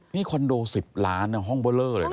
นี่คอนโด๑๐ล้านนะห้องเบอร์เลอร์เลยนะ